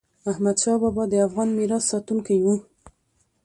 احمدشاه بابا د افغان میراث ساتونکی و.